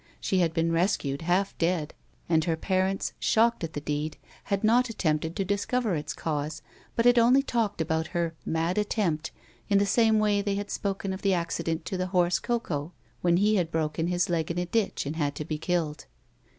She had been rescued half dead, and her parents, shocked at the deed, had not attempted to discover its cause, but had only talked about her "mad attempt," in the same way as they had spoken of the accident to the horse Coco, when he had broken his leg in a ditch and had to be killed.